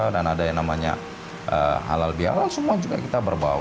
dan ada yang namanya halal biarlah semua juga kita berbau